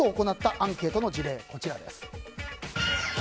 アンケートの事例がこちらです。